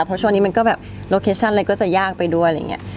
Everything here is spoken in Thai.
เพราะช่วงนี้มันก็แบบโลเคชั่นอะไรก็จะยากไปด้วยอะไรอย่างนี้